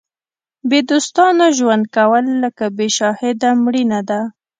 بې دوستانو ژوند کول لکه بې شاهده مړینه ده.